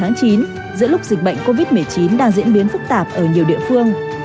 giữa lúc dịch bệnh covid một mươi chín đang diễn biến phức tạp ở nhiều địa phương